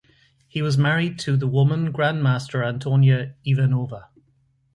He was married to the Woman Grandmaster Antonia Ivanova.